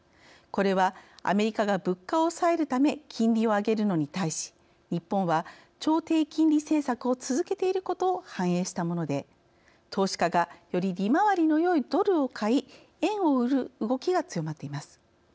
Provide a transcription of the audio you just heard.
これはアメリカが物価を抑えるため金利を上げるのに対し日本は超低金利政策を続けていることを反映したもので投資家がより利回りのよいドルを買い円を売る動きが強まっています。